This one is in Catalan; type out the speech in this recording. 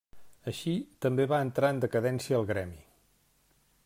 Així, també va entrar en decadència el gremi.